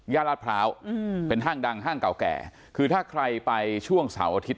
ลาดพร้าวอืมเป็นห้างดังห้างเก่าแก่คือถ้าใครไปช่วงเสาร์อาทิตย